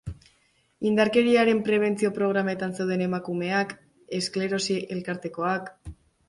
Indarkeriaren prebentzio programetan zeuden emakumeak, esklerosi elkartekoak...